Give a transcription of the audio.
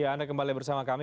anda kembali bersama kami